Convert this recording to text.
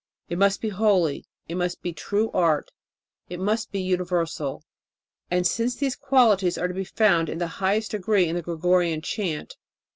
It must be holy, it must be true art, it must be universal; and since these qualities are to be found in the highest degree in the Gregorian chant